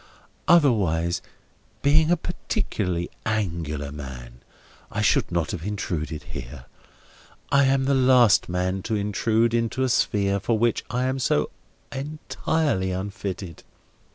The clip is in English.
Otherwise, being a particularly Angular man, I should not have intruded here. I am the last man to intrude into a sphere for which I am so entirely unfitted.